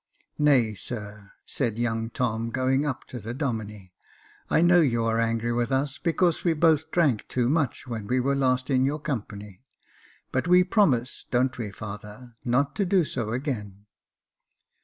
"Nay, sir," said young Tom, going up to the Domine; "I know you are angry with us, because we both drank too much when we were last in your company ; but we promise — don't we, father ?— not to do so again."